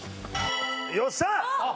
よっしゃあ！